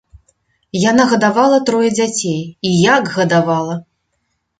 Яна гадавала трое дзяцей, і як гадавала!